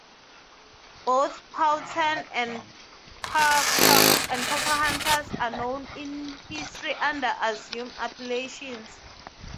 Both Powhatan and Pocahontas are known in history under assumed appellations.